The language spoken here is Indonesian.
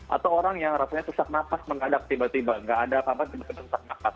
atau orang yang rasanya sesak nafas mengadak tiba tiba nggak ada apa apa tiba tiba sesak nafas